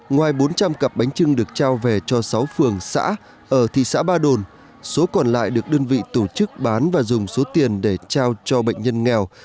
ngoài bốn trăm linh cặp bánh trưng được trao về cho sáu phường xã ở thị xã ba đồn số còn lại được đơn vị tổ chức bán và dùng số tiền để trao cho bệnh nhân nghèo